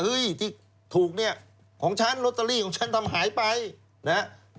ที่ถูกเนี่ยของฉันลอตเตอรี่ของฉันทำหายไปนะครับ